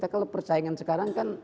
kalau persaingan sekarang